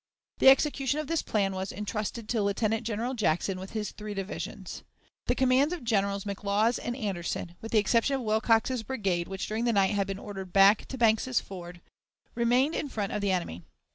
The execution of this plan was intrusted to Lieutenant General Jackson with his three divisions. The commands of Generals McLaws and Anderson, with the exception of Wilcox's brigade which during the night had been ordered hack to Banks's Ford, remained in front of the enemy.